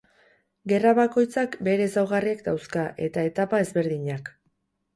Gerra bakoitzak bere ezaugarriak dauzka, eta etapa ezberdinak.